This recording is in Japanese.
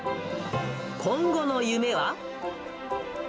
今後の夢は？